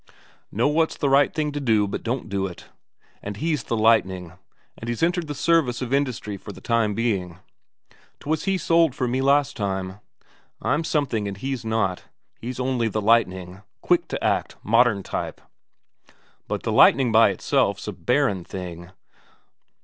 Know what's the right thing to do, but don't do it. But he's the lightning and he's entered the service of industry for the time being. 'Twas he sold for me last time. I'm something and he's not, he's only the lightning; quick to act, modern type. But the lightning by itself's a barren thing.